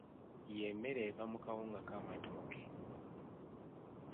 Ye mmere eva mu kawunga k'amatooke.